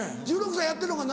１６歳やってんのか？